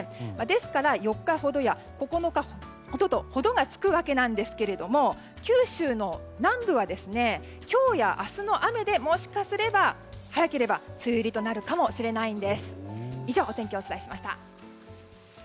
ですから４日ほどや９日ほどと「ほど」がつくわけなんですが九州の南部は今日や明日の雨でもしかすると早ければ梅雨入りとなるかもしれません。